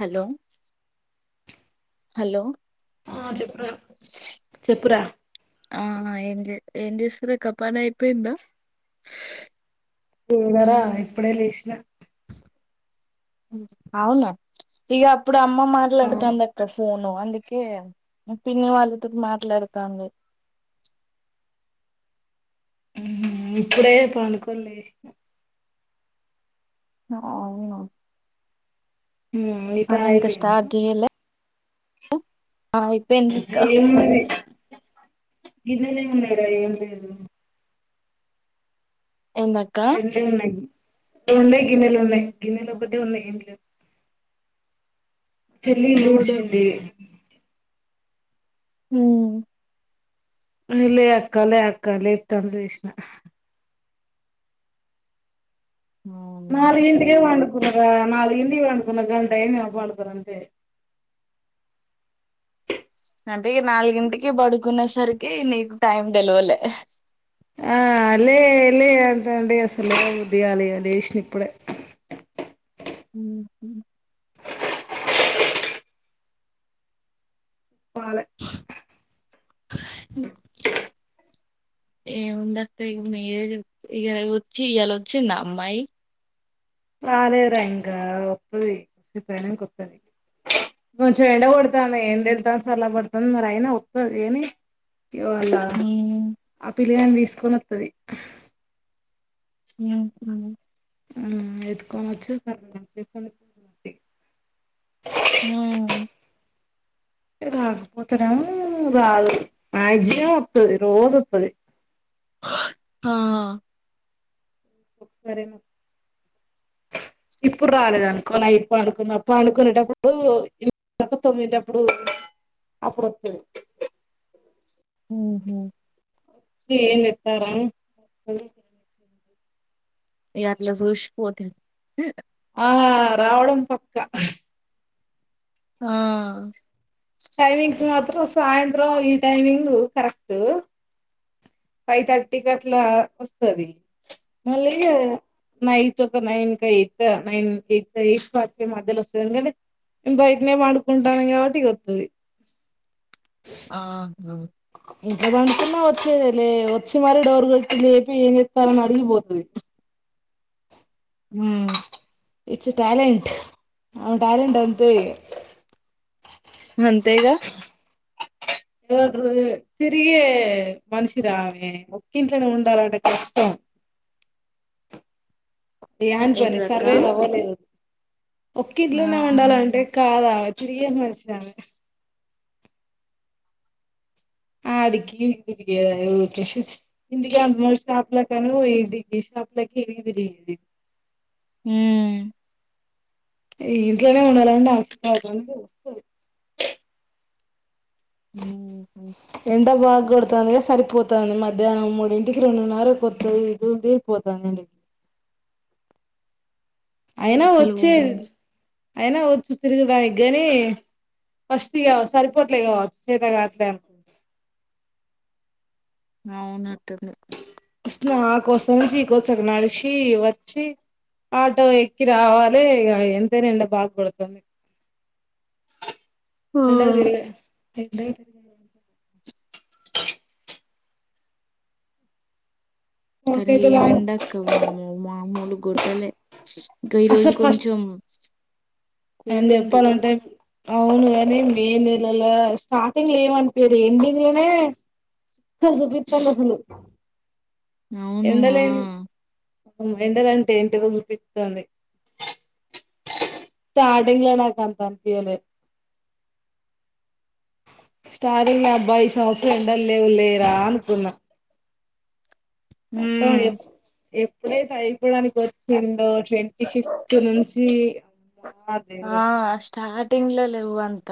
Hello hello ఆ చెప్పురా చెప్పురా ఆ ఏం చే ఏం జేస్తున్రూ ఇంక పని అయిపోయిందా ఎడర ఇప్పుడే లేసినా అవునా ఇగ ఇప్పుడు అమ్మ అవును మాట్లాడుతందక్క ఫోన్ ను అందుకే పిన్ని వాళ్ళతో మాట్లాడుతాంది ఇప్పుడే పండుకొనిలేశిన ఆ అవునా నీ పని ఇంక అయిపోయిందా స్టార్ట్ చేయలే ఆ అయ్యిపేయిందీ అక్క గిన్నెలు ఎం ఉన్నాయిరా ఎం లేదు ఏందక్క రెండే ఉన్నాయి రెండే గిన్నెలు ఉన్నాయ్ గిన్నెలు ఒకటే ఉన్నాయి ఎం లేవ్ చెల్లి ఇల్లు అవునా ఊడిషింది హు లే అక్క లే అక్కా లేప్తందిలేసిన ఉ నాలుగు ఇింటికే వాంటకున్నార నాలుగుగిటికి వాంకున్నా గంట న పాడుకుంట అంటే నాలుగింటికి బడుకునే సరికి ఏ న టైమ్ తెలివలే ఆ లే లే అంటండి అసలే దగాలి అడి వసిన ఇప్పుడే ఉ పాలే ఎవుందతయ్ నువ్వే చెప్పు ఇయాల వచ్చి ఇయాల వచ్చిండా అమ్మాయ్ రాలేదురా ఇంకా వత్తాది షిఫ్ట్ అయినక్ కొత్తాది కొంచెం ఎళ్ండ కొడతాను ఏంటి వెళ్తాను సల్ల పడతాను మరి అయినా వస్తుంది ఏని ఇ వాళ్ల ఉమ్ ఆ పిల్లగాడ్ని తీస్కొని వత్తది [unintelligible] ఆ ఎత్తుకొన్ వచ్చి [inaudible] హ్మ్ రాకపోతే రాను రాదు మాగ్జిమమ్ వత్తది రోజు వత్తది. ఆ ఒకసర్ ఏమో ఇప్పుడు రాలేదు అనుకో నైట్ పంన్కునేటప్పుడు తొమ్మిటప్పుడు అప్పుడు వస్తాది. మ్మ్ హ్మ్ ఏం చెప్తారా అని ఇగ అట్లా చూస్పోతిమి ఆ రావడం పక్క ఆ టైమింగ్స్ మొత్ అ సాయంత్రం ఈ టైమింగ్ కరెక్ట్ ఫైవ్ థర్టీకి అట్లా వస్తుది మళ్ళీ నైత్ ఒక nine eighth nine eighth eight forty మధ్యలో వస్తుంది ఎందుకంటే నేను బయటనే వాండుకుంటాను కాబట్టి ఇక వస్తుది ఆ ఇంత పంటతున్నా వచ్చేద లే వచ్చి మరి డోర్ కట్టి లేపి ఏం చెస్తారని అడిగిపోతుది హ్మ్ it's a talent a talent అంతే అంతేగా తిరిగే మనిషి రా ఆమె ఒకింట్లోనే ఉండాలంటే కష్టం ఏవంట ఏంటిదక్క? అన్నిసార్లు [unintelligible] ఒక్క ఆ! ఇట్లోనే ఉండాల అంటే కాదా చి మరిచిన అడికి ఇరిగి తిరిగేదా ఇందుక అంత షాపు ల కాని షాపులకి ఇరిగి తిరిగేది హ ఇంట్లోనే ఉండాలండి ఆ కా ఉ ఎండ బాగా కొడుతుంది సరిపోతుంది మధ్యాహ్నం మూడింటికి రెండున్నర కొత్తది ఇదిందిపోతుంది అండి అయినా అసలు వచ్చేది అయినా వచ్చు తిరగడాానికి ని ఫస్ట్ కావచ్చ సరిపోట్లే కావచ్చు చేత కా అట్లే అ అవునట ఫస్ట్ నువ్ ఆ కోస నుంచి ఈ కోసకు నడిషి వచ్చి, ఆటో ఎక్కి రావాలే ఇగ ఎంతైనా ఎండ బగ్గొడ్తంది. ఆ! ఎండకు తిరగలే. ఎండకు తిరగలేదు. కానీ మాకైతే ఏం వామ్మో ఎండక్క వామ్మో మామూల్ గొట్టలే. ఫ ఇంకా ఈరోజు కొంచం. నేన్ చెప్పాలంటే. అవునుగానీ మే నెలల స్టార్టింగ్ లేమనిపోయదూ ఎండింగ్ లానే చుక్కలు చూపిస్తా చూపిస్తాంది అసలు. అవును. ఎండలేని. ఆ! ఎండలు అంటే ఏంటిదో చూపిస్తంది. స్టార్టింగ్ లో నాకు అంత అనిపియలే. స్టార్టింగ్ లో అబ్బా ఈ సంవత్సరం ఎండలు లేవు లేరా అనుకున్నా. అత్తమ్ హ్మ్. ఏ ప్పుడే పై చెప్పడానికి ఓచ్చిండు ట్వంటీ ఫిఫ్త్ నుంచి అబ్బా దేవుడా. ఇంట్లో లేవ్వు అంత.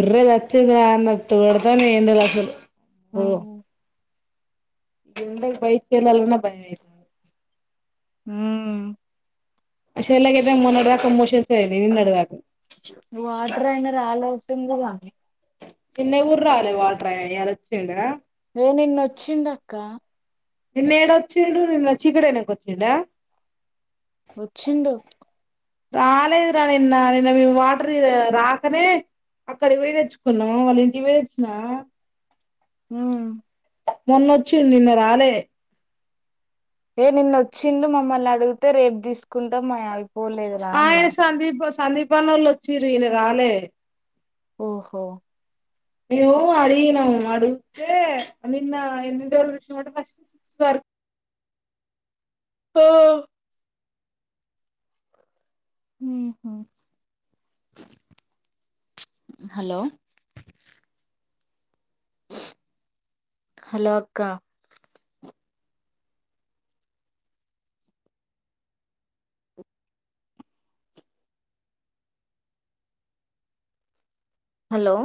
ఎర్రల్ అచ్చింద అన్నట్టు కోడ్తాన్నై ఎండలు అసలు. ఉహు ఎండక్ బయటిక్ ఏళ్ళలన్న బయం అయితంది. హుమ్మ్ షెల్లెక్ ఐతే మొన్నటిదాకా మోషన్స్ అయినాయి నిన్నటిదాకా. Single aunty. నిన్న కుడ్ రాలే వాటర్ అయినా ఇయాల ఓచ్చిండ. ఏ నిన్నొచ్చిండక్క. నిన్న ఏడ ఏడోచ్చిండు నిన్న చీకటైనంక ఓచ్చిండ. వచ్చిండు రాలేదురా నిన్న నిన్న మేము వాటర్ రాకనే, అక్కడ పోయి తెచ్చుకున్నాము వాళ్ళ ఇంటి పోయి తెచ్చినా. ఉమ్మ్ మొన్నొచ్చిండ్ నిన్న రాలే. ఏ నిన్న ఓచ్చిండు మమ్మల్ని అడిగితే రేపు తీసుకుంటాం [unintelligible] ఆ అన్న ఏ సందీప స్కూ సందీప్అనోళ్ళు ఒచిన్రు ఈయల రాలే. ఓహో ఇగో అడిగినం అడుగుతే నిన్న [unintelligible] అంటే ఫస్ట్ సిక్స్ వర్క్ హో హో ఉహుమ్ హలో హలో అక్క హలో